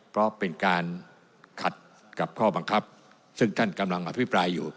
เพราะเป็นการขัดกับข้อบังคับซึ่งท่านกำลังอภิปรายอยู่